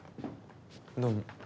どうも。